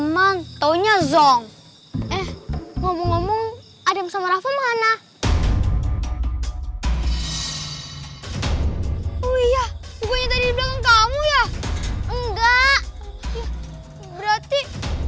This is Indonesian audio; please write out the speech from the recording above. emang taunya zom eh ngomong ngomong ada masalah mana oh iya gue tadi bilang kamu ya enggak berarti